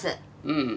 うん。